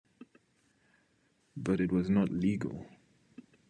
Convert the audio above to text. But it was not legal.